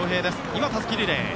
今、たすきリレー。